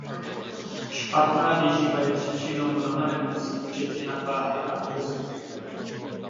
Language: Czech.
Špatná výživa je příčinou mnoha nemocí, včetně nadváhy a obezity.